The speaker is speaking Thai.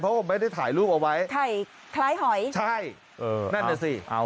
เพราะผมไม่ได้ถ่ายรูปเอาไว้ถ่ายคล้ายหอยใช่เออนั่นน่ะสิ